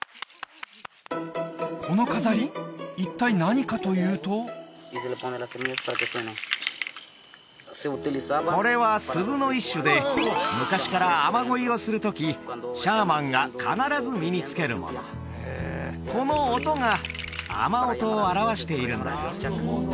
この飾り一体何かというとこれは鈴の一種で昔から雨乞いをする時シャーマンが必ず身につけるものこの音が雨音を表しているんだ